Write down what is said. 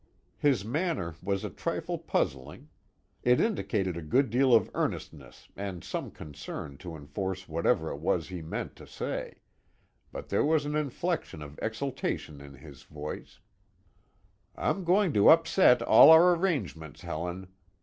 His manner was a trifle puzzling. It indicated a good deal of earnestness and some concern to enforce whatever it was he meant to say; but there was an inflection of exultation in his voice: "I'm going to upset all our arrangements, Helen.